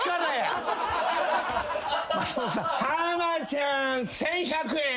浜ちゃん１，１００円！